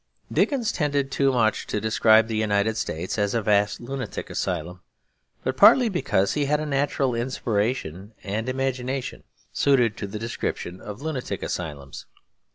Dickens tended too much to describe the United States as a vast lunatic asylum; but partly because he had a natural inspiration and imagination suited to the description of lunatic asylums.